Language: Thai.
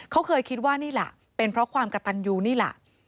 เขาเคยคิดว่านี่แหละเป็นเพราะความกระตันยูนี่แหละ